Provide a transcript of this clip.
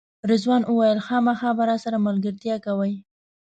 رضوان وویل خامخا به راسره ملګرتیا کوئ.